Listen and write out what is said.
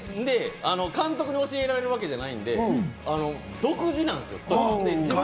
監督に教えられるわけじゃないんで、独特なんですよ。